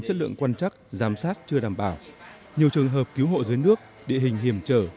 chất lượng quan trắc giám sát chưa đảm bảo nhiều trường hợp cứu hộ dưới nước địa hình hiểm trở